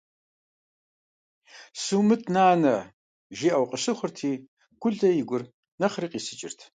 «Сумыт, нанэ!», – жиӀэу къыщыхъурти, Гулэ и гур нэхъри кърисыкӀат.